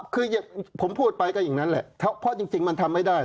คือผมพูดไปก็อย่างนั้นแหละเพราะจริงมันทำไม่ได้